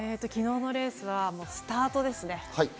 昨日のレースはスタートですね。